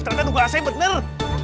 ternyata nunggu asing bener